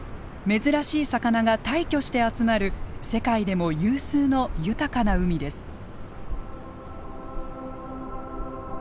珍しい魚が大挙して集まる世界でも有数の豊かな海です。